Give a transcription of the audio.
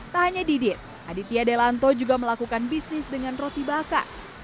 tak hanya didit aditya delanto juga melakukan bisnis dengan roti baka